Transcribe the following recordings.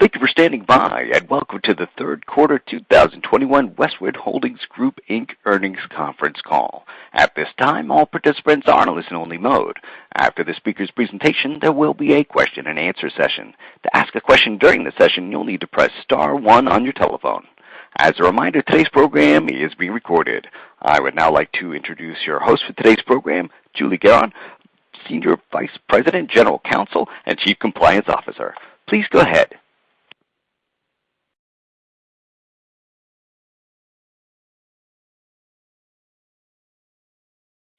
Thank you for standing by, and welcome to the third quarter 2021 Westwood Holdings Group Inc earnings conference call. At this time, all participants are in a listen-only mode. After the speaker's presentation, there will be a question-and-answer session. To ask a question during the session, you'll need to press star one on your telephone. As a reminder, today's program is being recorded. I would now like to introduce your host for today's program, Julie Gerron, Senior Vice President, General Counsel, and Chief Compliance Officer. Please go ahead.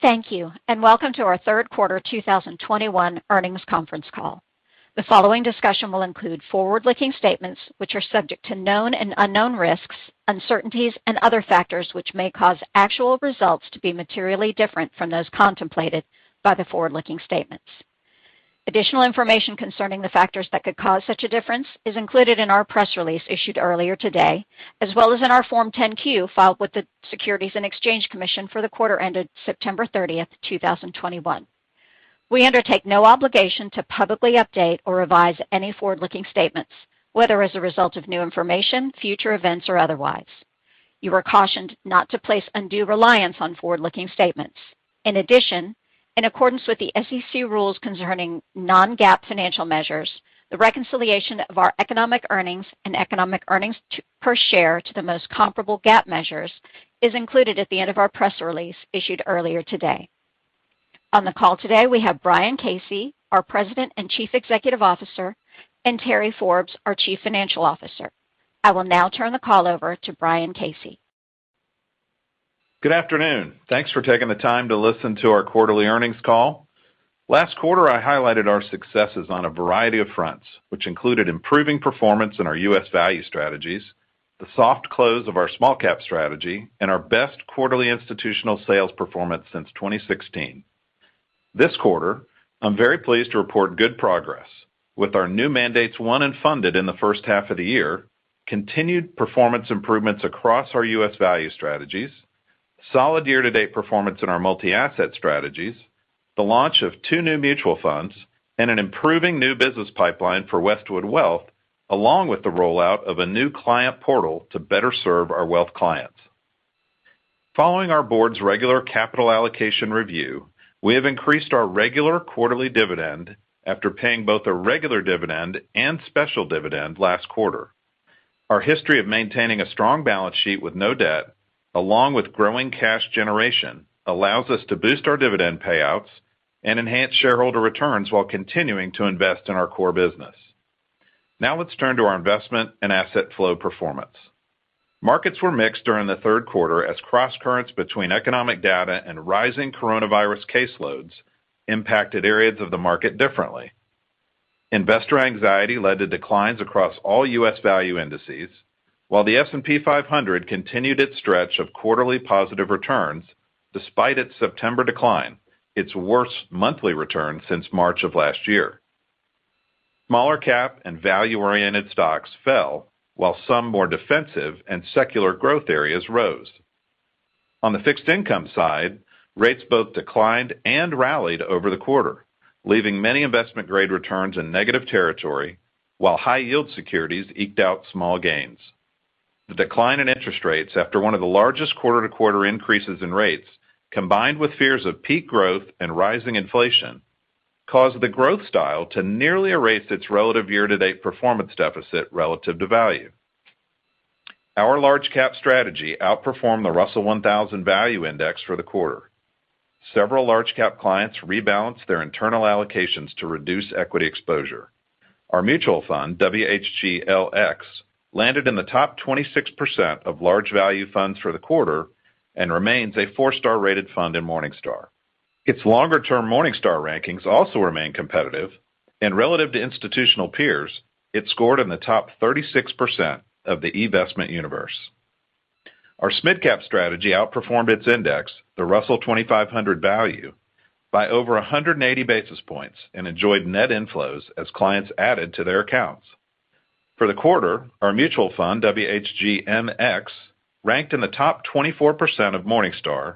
Thank you, and welcome to our third quarter 2021 earnings conference call. The following discussion will include forward-looking statements which are subject to known and unknown risks, uncertainties, and other factors which may cause actual results to be materially different from those contemplated by the forward-looking statements. Additional information concerning the factors that could cause such a difference is included in our press release issued earlier today, as well as in our Form 10-Q filed with the Securities and Exchange Commission for the quarter ended September 30th, 2021. We undertake no obligation to publicly update or revise any forward-looking statements, whether as a result of new information, future events or otherwise. You are cautioned not to place undue reliance on forward-looking statements. In addition, in accordance with the SEC rules concerning non-GAAP financial measures, the reconciliation of our economic earnings and economic earnings per share to the most comparable GAAP measures is included at the end of our press release issued earlier today. On the call today, we have Brian Casey, our President and Chief Executive Officer, and Terry Forbes, our Chief Financial Officer. I will now turn the call over to Brian Casey. Good afternoon. Thanks for taking the time to listen to our quarterly earnings call. Last quarter, I highlighted our successes on a variety of fronts, which included improving performance in our U.S. value strategies, the soft close of our SmallCap strategy, and our best quarterly institutional sales performance since 2016. This quarter, I'm very pleased to report good progress with our new mandates won and funded in the first half of the year, continued performance improvements across our U.S. value strategies, solid year-to-date performance in our multi-asset strategies, the launch of two new mutual funds, and an improving new business pipeline for Westwood Wealth, along with the rollout of a new client portal to better serve our Wealth clients. Following our Board's regular capital allocation review, we have increased our regular quarterly dividend after paying both a regular dividend and special dividend last quarter. Our history of maintaining a strong balance sheet with no debt, along with growing cash generation, allows us to boost our dividend payouts and enhance shareholder returns while continuing to invest in our core business. Now let's turn to our investment in asset flow performance. Markets were mixed during the third quarter as cross-currents between economic data and rising coronavirus caseloads impacted areas of the market differently. Investor anxiety led to declines across all U.S. value indices, while the S&P 500 continued its stretch of quarterly positive returns despite its September decline, its worst monthly return since March of last year. Smaller cap and value-oriented stocks fell, while some more defensive and secular growth areas rose. On the fixed income side, rates both declined and rallied over the quarter, leaving many investment-grade returns in negative territory, while high-yield securities eked out small gains. The decline in interest rates after one of the largest quarter-to-quarter increases in rates, combined with fears of peak growth and rising inflation, caused the growth style to nearly erase its relative year-to-date performance deficit relative to value. Our LargeCap strategy outperformed the Russell 1000 Value Index for the quarter. Several LargeCap clients rebalanced their internal allocations to reduce equity exposure. Our mutual fund, WHGLX, landed in the top 26% of large value funds for the quarter and remains a four-star rated fund in Morningstar. Its longer-term Morningstar rankings also remain competitive, and relative to institutional peers, it scored in the top 36% of the investment universe. Our SMidCap strategy outperformed its index, the Russell 2500 Value, by over 180 basis points and enjoyed net inflows as clients added to their accounts. For the quarter, our mutual fund, WHGMX, ranked in the top 24% of Morningstar,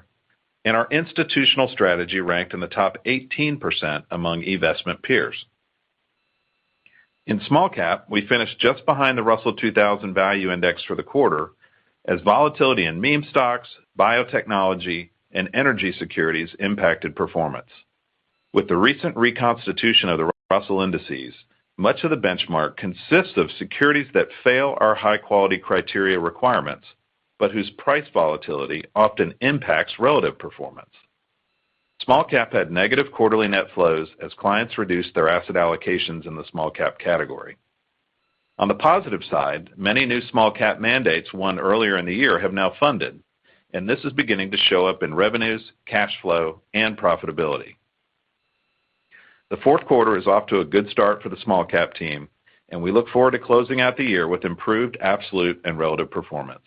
and our institutional strategy ranked in the top 18% among investment peers. In SmallCap, we finished just behind the Russell 2000 Value Index for the quarter as volatility in meme stocks, biotechnology, and energy securities impacted performance. With the recent reconstitution of the Russell indices, much of the benchmark consists of securities that fail our high-quality criteria requirements, but whose price volatility often impacts relative performance. SmallCap had negative quarterly net flows as clients reduced their asset allocations in the SmallCap category. On the positive side, many new SmallCap mandates won earlier in the year have now funded, and this is beginning to show up in revenues, cash flow, and profitability. The fourth quarter is off to a good start for the SmallCap team, and we look forward to closing out the year with improved absolute and relative performance.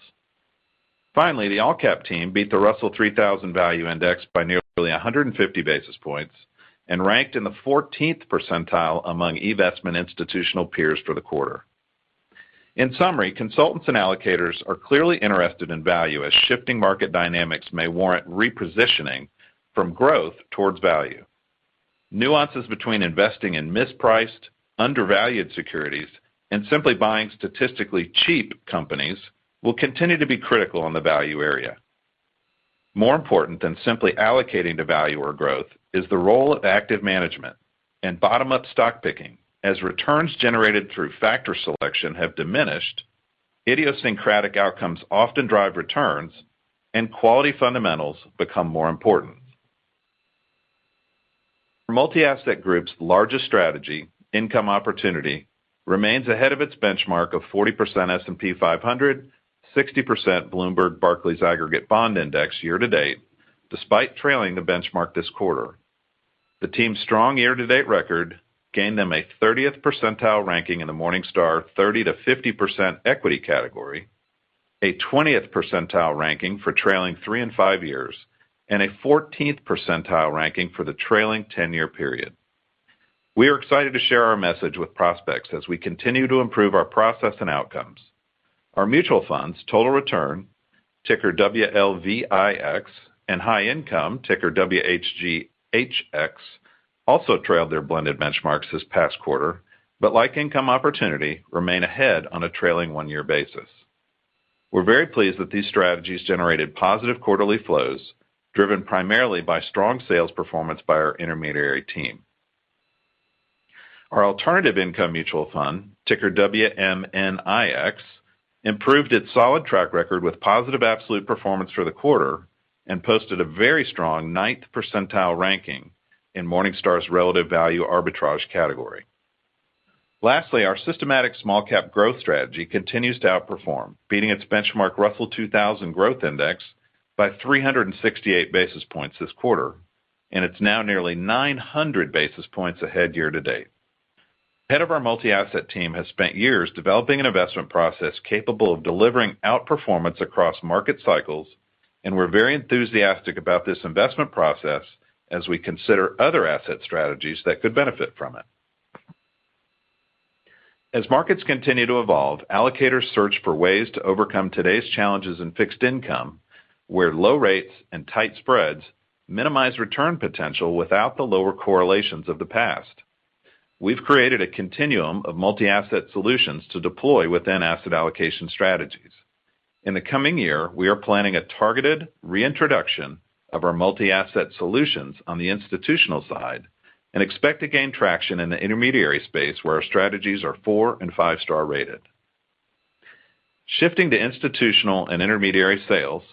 Finally, the AllCap team beat the Russell 3000 Value Index by nearly 150 basis points and ranked in the 14th percentile among institutional investment peers for the quarter. In summary, consultants and allocators are clearly interested in value as shifting market dynamics may warrant repositioning from growth towards value. Nuances between investing in mispriced, undervalued securities and simply buying statistically cheap companies will continue to be critical in the value area. More important than simply allocating to value or growth is the role of active management and bottom-up stock picking. As returns generated through factor selection have diminished, idiosyncratic outcomes often drive returns and quality fundamentals become more important. Multi-asset group's largest strategy, Income Opportunity, remains ahead of its benchmark of 40% S&P 500, 60% Bloomberg Barclays Aggregate Bond Index year-to-date, despite trailing the benchmark this quarter. The team's strong year-to-date record gained them a 30th percentile ranking in the Morningstar 30%-50% equity category, a 20th percentile ranking for trailing three and five years, and a 14th percentile ranking for the trailing 10-year period. We are excited to share our message with prospects as we continue to improve our process and outcomes. Our mutual funds, Total Return, ticker WLVIX, and Multi-Asset Income, ticker WHGHX, also trailed their blended benchmarks this past quarter, but like Income Opportunity, remain ahead on a trailing one-year basis. We're very pleased that these strategies generated positive quarterly flows, driven primarily by strong sales performance by our intermediary team. Our Alternative Income Mutual Fund, ticker WMNIX, improved its solid track record with positive absolute performance for the quarter and posted a very strong ninth percentile ranking in Morningstar's Relative Value Arbitrage category. Lastly, our systematic SmallCap growth strategy continues to outperform, beating its benchmark Russell 2000 Growth Index by 368 basis points this quarter, and it's now nearly 900 basis points ahead year-to-date. The Head of our Multi-Asset team has spent years developing an investment process capable of delivering outperformance across market cycles, and we're very enthusiastic about this investment process as we consider other asset strategies that could benefit from it. As markets continue to evolve, allocators search for ways to overcome today's challenges in fixed income, where low rates and tight spreads minimize return potential without the lower correlations of the past. We've created a continuum of multi-asset solutions to deploy within asset allocation strategies. In the coming year, we are planning a targeted reintroduction of our multi-asset solutions on the institutional side and expect to gain traction in the intermediary space where our strategies are four and five-star rated. Shifting to institutional and intermediary sales,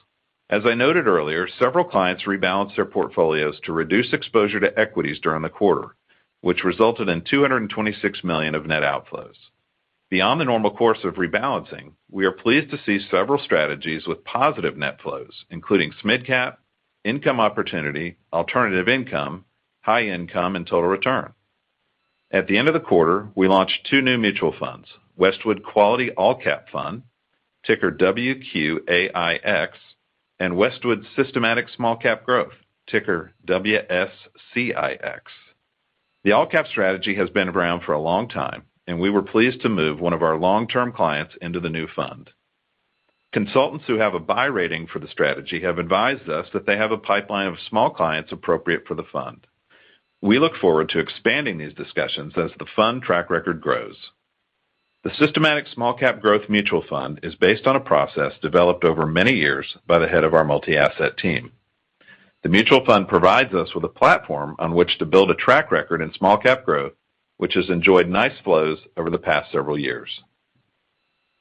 as I noted earlier, several clients rebalanced their portfolios to reduce exposure to equities during the quarter, which resulted in $226 million of net outflows. Beyond the normal course of rebalancing, we are pleased to see several strategies with positive net flows, including SMidCap, Income Opportunity, Alternative Income, High Income and Total Return. At the end of the quarter, we launched two new mutual funds, Westwood Quality AllCap Fund, ticker WQAIX, and Westwood Systematic SmallCap Growth, ticker WSCIX. The AllCap strategy has been around for a long time, and we were pleased to move one of our long-term clients into the new fund. Consultants who have a buy rating for the strategy have advised us that they have a pipeline of small clients appropriate for the fund. We look forward to expanding these discussions as the fund track record grows. The Systematic SmallCap Growth Mutual Fund is based on a process developed over many years by the head of our Multi-Asset team. The mutual fund provides us with a platform on which to build a track record in SmallCap growth, which has enjoyed nice flows over the past several years.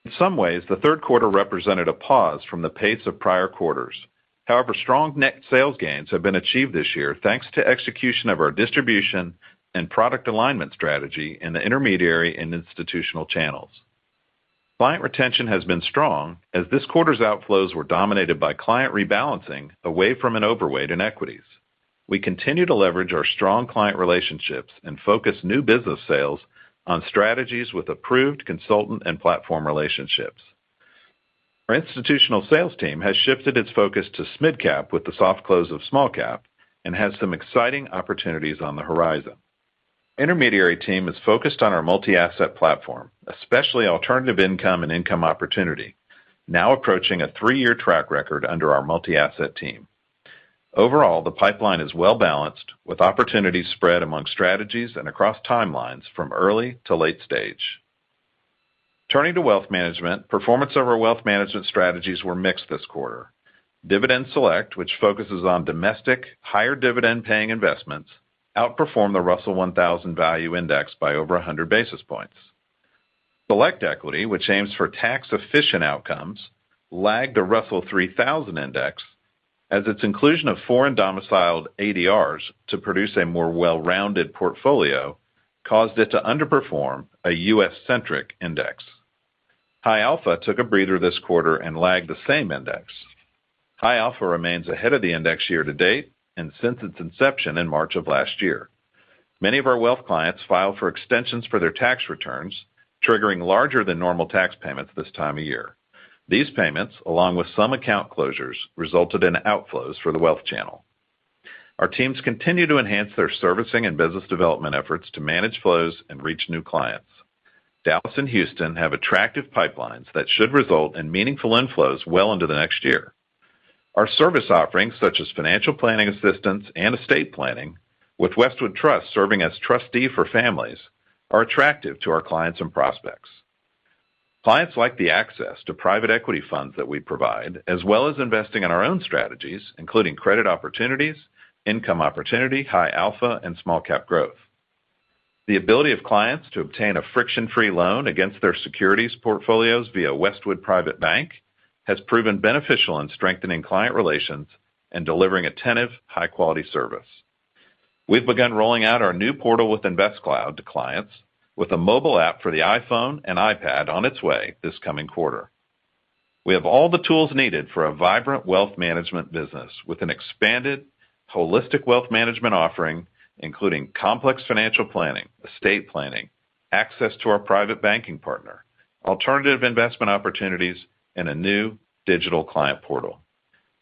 In some ways, the third quarter represented a pause from the pace of prior quarters. However, strong net sales gains have been achieved this year thanks to execution of our distribution and product alignment strategy in the intermediary and institutional channels. Client retention has been strong as this quarter's outflows were dominated by client rebalancing away from an overweight in equities. We continue to leverage our strong client relationships and focus new business sales on strategies with approved consultant and platform relationships. Our institutional sales team has shifted its focus to SMidCap with the soft close of SmallCap and has some exciting opportunities on the horizon. Intermediary team is focused on our Multi-Asset platform, especially Alternative Income and Income Opportunity, now approaching a three-year track record under our Multi-Asset team. Overall, the pipeline is well-balanced with opportunities spread among strategies and across timelines from early to late stage. Turning to Wealth Management, performance of our Wealth Management strategies were mixed this quarter. Dividend Select, which focuses on domestic higher dividend paying investments, outperformed the Russell 1000 Value Index by over 100 basis points. Select Equity, which aims for tax-efficient outcomes, lagged the Russell 3000 Index as its inclusion of foreign-domiciled ADRs to produce a more well-rounded portfolio caused it to underperform a U.S.-centric index. High Alpha took a breather this quarter and lagged the same index. High Alpha remains ahead of the index year-to-date and since its inception in March of last year. Many of our wealth clients filed for extensions for their tax returns, triggering larger than normal tax payments this time of year. These payments, along with some account closures, resulted in outflows for the wealth channel. Our teams continue to enhance their servicing and business development efforts to manage flows and reach new clients. Dallas and Houston have attractive pipelines that should result in meaningful inflows well into the next year. Our service offerings, such as financial planning assistance and estate planning, with Westwood Trust serving as trustee for families, are attractive to our clients and prospects. Clients like the access to private equity funds that we provide, as well as investing in our own strategies, including Credit Opportunities, Income Opportunity, High Alpha, and SmallCap Growth. The ability of clients to obtain a friction-free loan against their securities portfolios via Westwood Private Bank has proven beneficial in strengthening client relations and delivering attentive, high-quality service. We've begun rolling out our new portal with InvestCloud to clients, with a mobile app for the iPhone and iPad on its way this coming quarter. We have all the tools needed for a vibrant wealth management business with an expanded holistic wealth management offering, including complex financial planning, estate planning, access to our private banking partner, alternative investment opportunities, and a new digital client portal.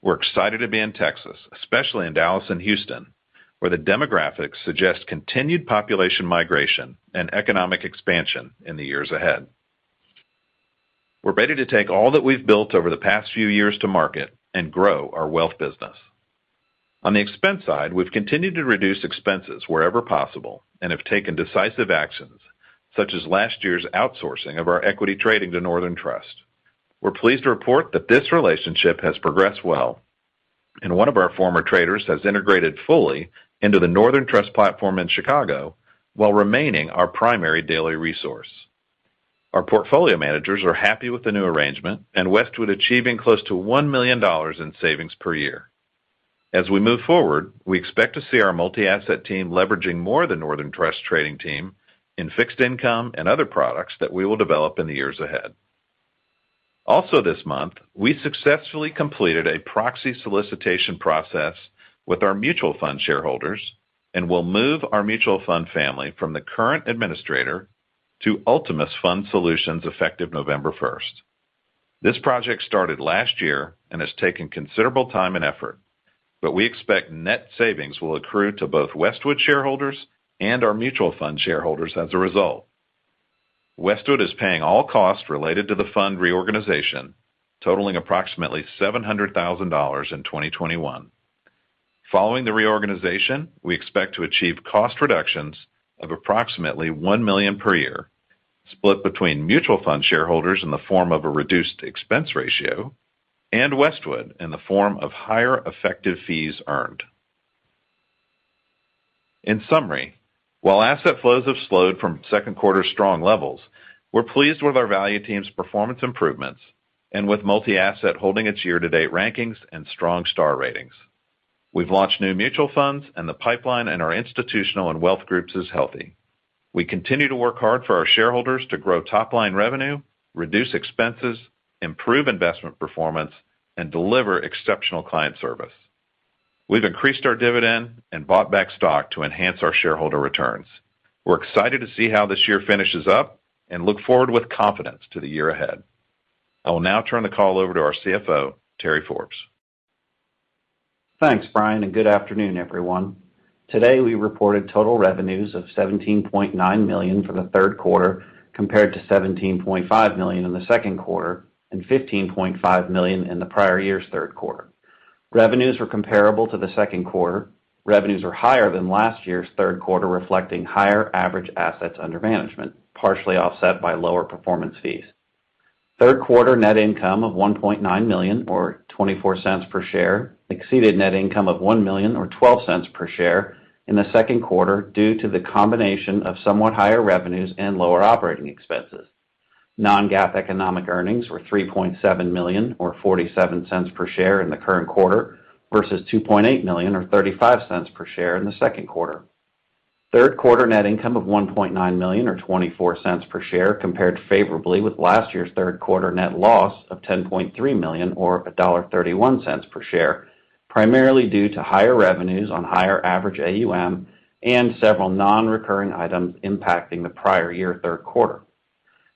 We're excited to be in Texas, especially in Dallas and Houston, where the demographics suggest continued population migration and economic expansion in the years ahead. We're ready to take all that we've built over the past few years to market and grow our wealth business. On the expense side, we've continued to reduce expenses wherever possible and have taken decisive actions, such as last year's outsourcing of our equity trading to Northern Trust. We're pleased to report that this relationship has progressed well, and one of our former traders has integrated fully into the Northern Trust platform in Chicago while remaining our primary daily resource. Our portfolio managers are happy with the new arrangement and Westwood achieving close to $1 million in savings per year. As we move forward, we expect to see our Multi-Asset team leveraging more of the Northern Trust trading team in fixed income and other products that we will develop in the years ahead. Also this month, we successfully completed a proxy solicitation process with our mutual fund shareholders and will move our mutual fund family from the current administrator to Ultimus Fund Solutions effective November 1st. This project started last year and has taken considerable time and effort, but we expect net savings will accrue to both Westwood shareholders and our mutual fund shareholders as a result. Westwood is paying all costs related to the fund reorganization, totaling approximately $700,000 in 2021. Following the reorganization, we expect to achieve cost reductions of approximately $1 million per year, split between mutual fund shareholders in the form of a reduced expense ratio and Westwood in the form of higher effective fees earned. In summary, while asset flows have slowed from second quarter strong levels, we're pleased with our value team's performance improvements and with multi-asset holding its year-to-date rankings and strong star ratings. We've launched new mutual funds, and the pipeline in our institutional and wealth groups is healthy. We continue to work hard for our shareholders to grow top-line revenue, reduce expenses, improve investment performance, and deliver exceptional client service. We've increased our dividend and bought back stock to enhance our shareholder returns. We're excited to see how this year finishes up and look forward with confidence to the year ahead. I will now turn the call over to our CFO, Terry Forbes. Thanks, Brian, and good afternoon, everyone. Today, we reported total revenues of $17.9 million for the third quarter compared to $17.5 million in the second quarter and $15.5 million in the prior year's third quarter. Revenues were comparable to the second quarter. Revenues are higher than last year's third quarter, reflecting higher average assets under management, partially offset by lower performance fees. Third quarter net income of $1.9 million or $0.24 per share exceeded net income of $1 million or $0.12 per share in the second quarter due to the combination of somewhat higher revenues and lower operating expenses. Non-GAAP economic earnings were $3.7 million or $0.47 per share in the current quarter versus $2.8 million or $0.35 per share in the second quarter. Third quarter net income of $1.9 million or $0.24 per share compared favorably with last year's third quarter net loss of $10.3 million or $1.31 per share, primarily due to higher revenues on higher average AUM and several non-recurring items impacting the prior year third quarter.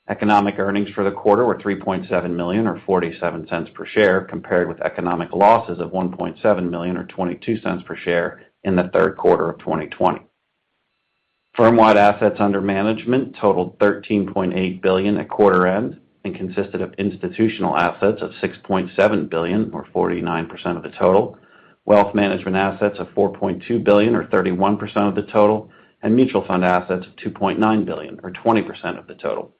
Economic earnings for the quarter were $3.7 million or $0.47 per share compared with economic losses of $1.7 million or $0.22 per share in the third quarter of 2020. Firm-wide assets under management totaled $13.8 billion at quarter end and consisted of institutional assets of $6.7 billion or 49% of the total, wealth management assets of $4.2 billion or 31% of the total, and mutual fund assets of $2.9 billion or 20% of the total.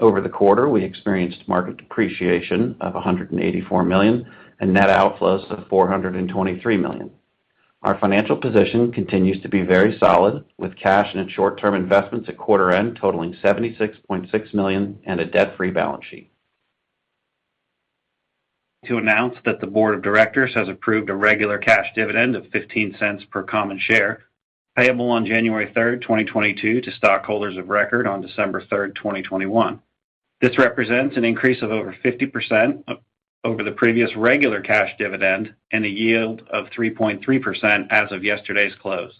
Over the quarter, we experienced market depreciation of $184 million and net outflows of $423 million. Our financial position continues to be very solid, with cash and short-term investments at quarter end totaling $76.6 million and a debt-free balance sheet. To announce that the Board of Directors has approved a regular cash dividend of $0.15 per common share payable on January 3rd, 2022 to stockholders of record on December 3rd, 2021. This represents an increase of over 50% over the previous regular cash dividend and a yield of 3.3% as of yesterday's close.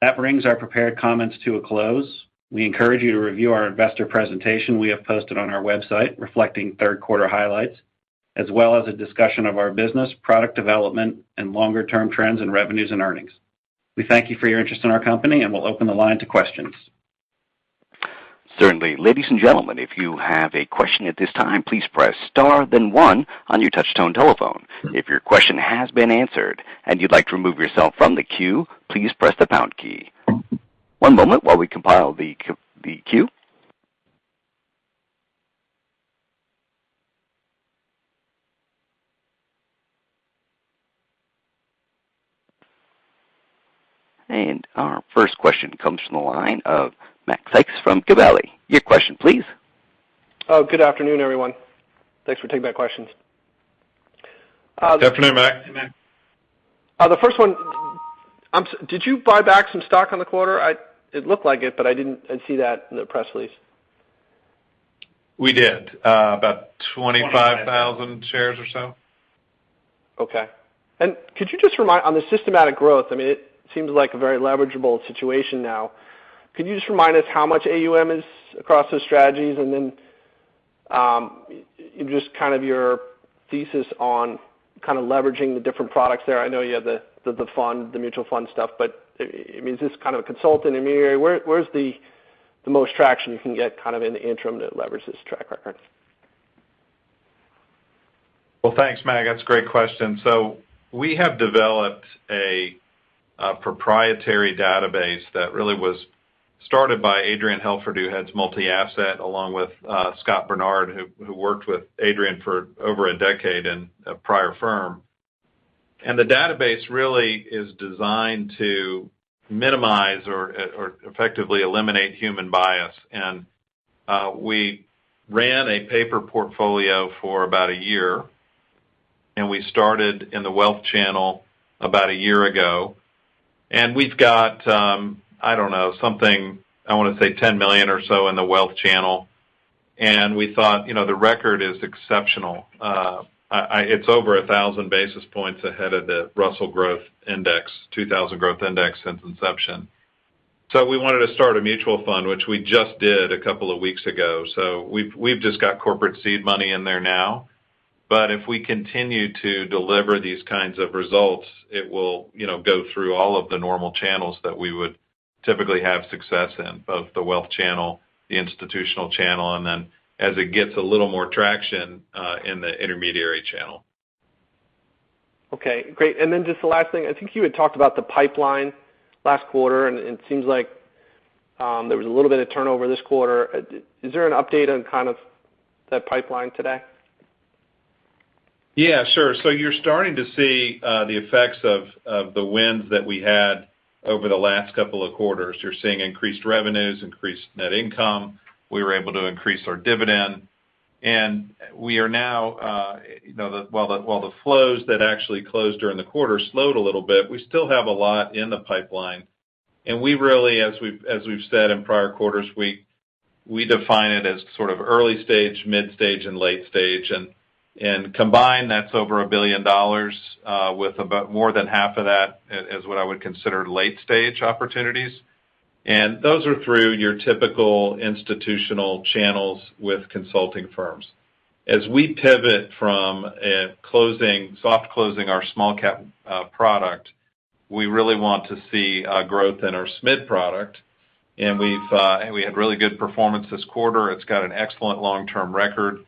That brings our prepared comments to a close. We encourage you to review our Investor Presentation we have posted on our website reflecting third quarter highlights, as well as a discussion of our business, product development, and longer-term trends in revenues and earnings. We thank you for your interest in our company, and we'll open the line to questions. Certainly. Ladies and gentlemen, if you have a question at this time, please press star then one on your touch-tone telephone. If your question has been answered and you'd like to remove yourself from the queue, please press the pound key. One moment while we compile the queue. Our first question comes from the line of Mac Sykes from Gabelli. Your question, please. Oh, good afternoon, everyone. Thanks for taking my questions. Good afternoon, Mac. Hey, Mac. The first one. Did you buy back some stock on the quarter? It looked like it, but I didn't see that in the press release. We did. About 25- 25. -thousand shares or so. Okay. Could you just remind us on the systematic growth. I mean, it seems like a very leverageable situation now. Could you just remind us how much AUM is across those strategies? Just kind of your thesis on kind of leveraging the different products there. I know you have the fund, the mutual fund stuff, but, I mean, is this kind of a consultant intermediary? Where's the most traction you can get kind of in the interim that leverages track record? Thanks, Mac. That's a great question. We have developed a proprietary database that really was started by Adrian Helfert who heads Multi-Asset, along with Scott Barnard, who worked with Adrian for over a decade in a prior firm. The database really is designed to minimize or effectively eliminate human bias. We ran a paper portfolio for about a year, and we started in the wealth channel about a year ago. We've got, I don't know, something, I wanna say $10 million or so in the wealth channel. We thought, you know, the record is exceptional. It's over 1,000 basis points ahead of the Russell Growth Index- 2000 Growth Index since inception. We wanted to start a mutual fund, which we just did a couple of weeks ago. We've just got corporate seed money in there now. If we continue to deliver these kinds of results, it will, you know, go through all of the normal channels that we would typically have success in, both the wealth channel, the institutional channel, and then as it gets a little more traction in the intermediary channel. Okay, great. Just the last thing, I think you had talked about the pipeline last quarter, and it seems like there was a little bit of turnover this quarter. Is there an update on kind of that pipeline today? Yeah, sure. You're starting to see the effects of the wins that we had over the last couple of quarters. You're seeing increased revenues, increased net income. We were able to increase our dividend, and we are now, you know, while the flows that actually closed during the quarter slowed a little bit, we still have a lot in the pipeline. We really, as we've said in prior quarters, we define it as sort of early stage, mid stage and late stage. Combined, that's over $1 billion, with about more than half of that as what I would consider late stage opportunities. Those are through your typical institutional channels with consulting firms. As we pivot from a soft closing our SmallCap product, we really want to see growth in our SMid product. We had really good performance this quarter. It's got an excellent long-term record,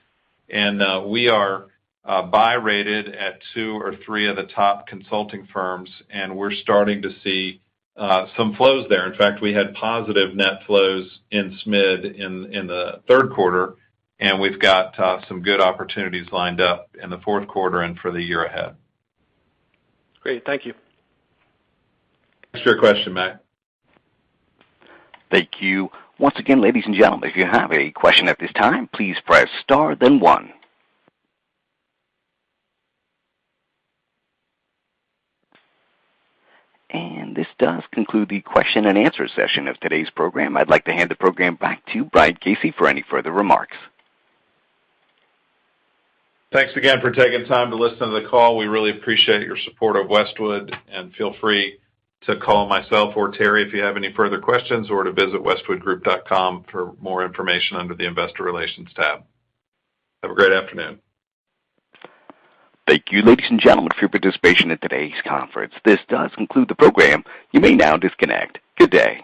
and we are buy-rated at two or three of the top consulting firms, and we're starting to see some flows there. In fact, we had positive net flows in SMid in the third quarter, and we've got some good opportunities lined up in the fourth quarter and for the year ahead. Great. Thank you. Thanks for your question, Mac. Thank you. Once again, ladies and gentlemen, if you have a question at this time, please press star then one. This does conclude the question-and-answer session of today's program. I'd like to hand the program back to Brian Casey for any further remarks. Thanks again for taking time to listen to the call. We really appreciate your support of Westwood, and feel free to call myself or Terry if you have any further questions, or to visit westwoodgroup.com for more information under the Investor Relations tab. Have a great afternoon. Thank you, ladies and gentlemen, for your participation in today's conference. This does conclude the program. You may now disconnect. Good day.